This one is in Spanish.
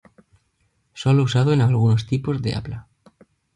Sólo usado en algunos tipos de habla.